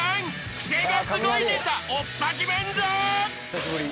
クセがスゴいネタおっぱじめんぞ］